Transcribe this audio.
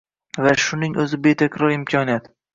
Va shuning o‘zi betakror imkoniyat.